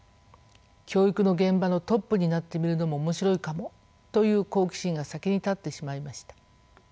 「教育の現場のトップになってみるのも面白いかも」という好奇心が先に立ってしまいました。